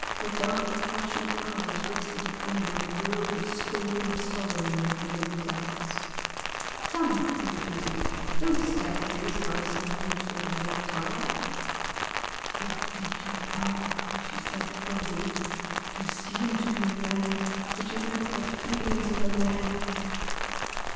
Her dark, passionate eyes rested upon him with a world of scorn and sorrow in their glowing depths. "Come!" he repeated "Don't stare at me as if I were some new sort of reptile!" "I think you are!" she said, coldly "You seem to be a man, but you have not the feelings of a man!"